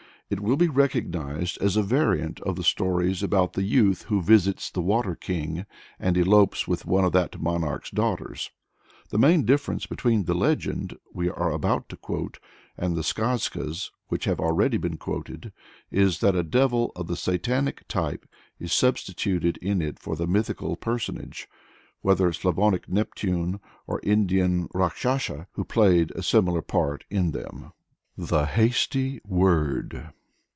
It will be recognized as a variant of the stories about the youth who visits the "Water King" and elopes with one of that monarch's daughters. The main difference between the "legend" we are about to quote, and the skazkas which have already been quoted, is that a devil of the Satanic type is substituted in it for the mythical personage whether Slavonic Neptune or Indian Rákshasa who played a similar part in them. THE HASTY WORD.